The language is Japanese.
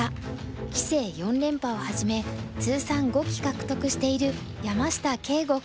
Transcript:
棋聖四連覇をはじめ通算５期獲得している山下敬吾九段。